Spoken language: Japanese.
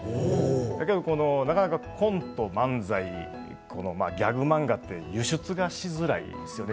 だけど、なかなかコント、漫才ギャグ漫画って輸出がしづらいですよね